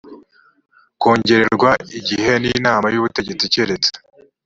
kongererwa igihe n inama y ubutegetsi keretse